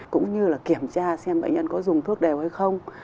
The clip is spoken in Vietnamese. cũng như là kiểm tra xem bệnh nhân có dùng thuốc đều hay không